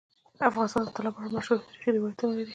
افغانستان د طلا په اړه مشهور تاریخی روایتونه لري.